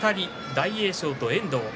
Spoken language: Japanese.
大栄翔と遠藤です。